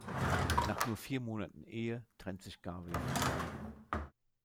Nach nur vier Monaten Ehe trennte sich Garvey von ihr.